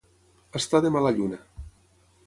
Estar de mala lluna.